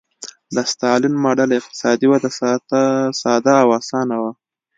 د ستالین ماډل اقتصادي وده ساده او اسانه وه.